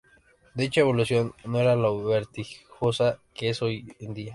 Dicha evolución no era lo vertiginosa que es hoy día.